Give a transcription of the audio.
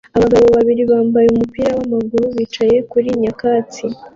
Abagabo babiri bambaye umupira wamaguru bicaye kuri nyakatsi